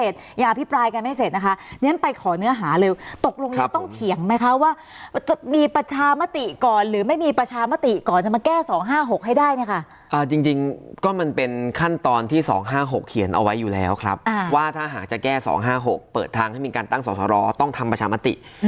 จริงมันเป็นขั้นตอนที่๒๕๖เขียนเอาไว้อยู่แล้วครับว่าถ้าหากจะแก้๒๕๖เขาก็ต้องเปิดทางส่อเสารอต้องทำประชามะติ